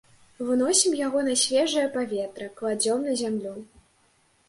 Выносім яго на свежае паветра, кладзём на зямлю.